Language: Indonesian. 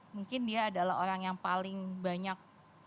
mungkin dia adalah orang yang paling banyak